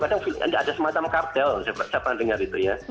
kadang film ini ada semacam kartel siapa dengar itu ya